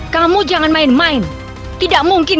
kamu jangan main main tidak mungkin